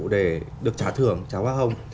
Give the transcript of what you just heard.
để được trả thưởng trả hoa hồng